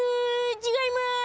違います。